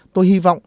tôi hy vọng